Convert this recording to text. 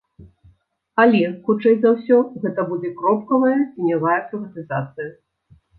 Але, хутчэй за ўсё, гэта будзе кропкавая, ценявая прыватызацыя.